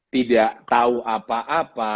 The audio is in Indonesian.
tidak tahu apa apa